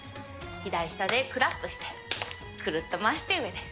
左下でクラップしてくるっと回して上で。